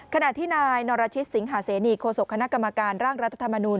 ขณะที่นายนรชิตสิงหาเสนีโคศกคณะกรรมการร่างรัฐธรรมนูล